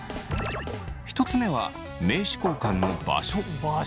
１つ目は名刺交換の場所。